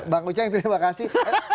bang hussein terima kasih